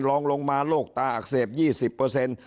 ลองลงมาโรคตาอักเสบ๒๐เปอร์เซ็นต์